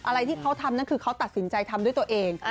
อะไรที่เขาทำนั่นคือเขาตัดสินใจทำด้วยตัวเอง